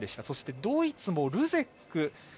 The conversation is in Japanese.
そしてドイツもルゼック